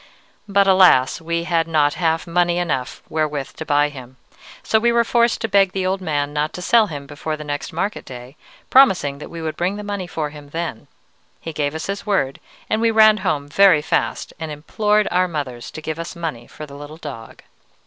But alas! we had not half money enough wherewith to buy him, so we were forced to beg the old man not to sell him before the next market day, promising that we would bring the money for him then. He gave us his word, and we ran home very fast and implored our mothers to give us money for the little dog.